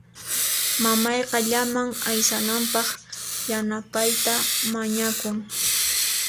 Mamayqa llaman aysanapaq yanapayta mañakun.